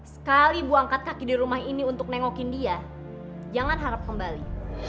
sekali bu angkat kaki di rumah ini untuk nengokin dia jangan harap kembali